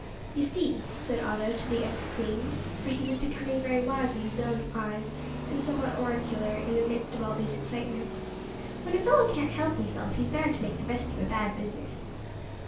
"You see," said Otto to the ex queen for he was becoming very wise in his own eyes, and somewhat oracular in the midst of all these excitements "when a fellow can't help himself he's bound to make the best of a bad business."